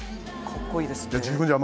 かっこいいですね